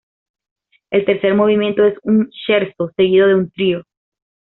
El tercer movimiento es un "scherzo" seguido de un trío.